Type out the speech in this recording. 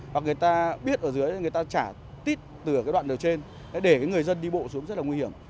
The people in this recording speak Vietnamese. hoặc người ta biết ở dưới người ta trả tít từ cái đoạn đường trên để người dân đi bộ xuống rất là nguy hiểm